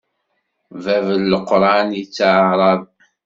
Bab n leqṛan ittɛaṛṛeb.